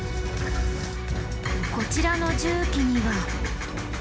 こちらの重機には。